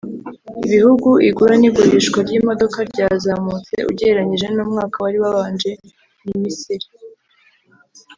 Ibihugu igura n’igurishwa ry’imodoka ryazamutse ugereranyije n’umwaka wari wabanje ni Misiri